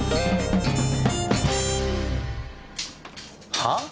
はあ？